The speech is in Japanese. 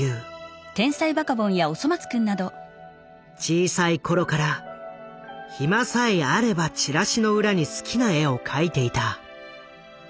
小さい頃から暇さえあればチラシの裏に好きな絵を描いていた。